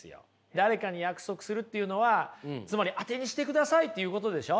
誰かに約束するっていうのはつまりアテにしてくださいっていうことでしょ。